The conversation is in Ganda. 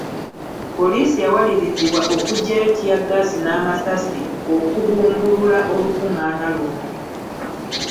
Poliisi yawalirizibwa okuggyayo ttiyaggaasi n’amasasi okugumbulula olukung’aana luno.